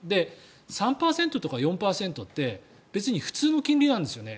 ３％とか４％って別に普通の金利なんですよね